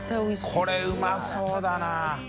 これうまそうだな。